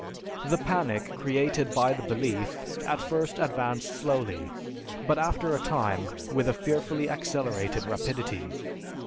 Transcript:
The panic created by the belief at first advanced slowly, but after a time with a fearfully accelerated rapidity.